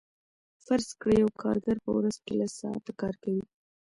فرض کړئ یو کارګر په ورځ کې لس ساعته کار کوي